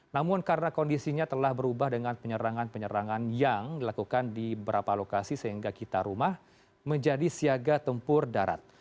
namun karena kondisinya telah berubah dengan penyerangan penyerangan yang dilakukan di beberapa lokasi sehingga kita rumah menjadi siaga tempur darat